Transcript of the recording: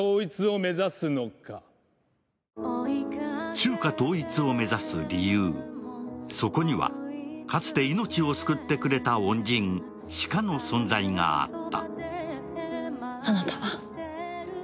中華統一を目指す理由、そこにはかつて命を救ってくれた恩人、紫夏の存在があった。